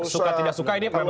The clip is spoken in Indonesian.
suka tidak suka ini memang